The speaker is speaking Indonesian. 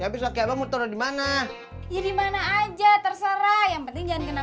ih sempit abang ya bisa kamu taruh di mana ya dimana aja terserah yang penting jangan